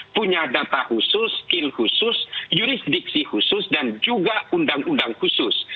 punya data khusus skill khusus jurisdiksi khusus dan juga undang undang khusus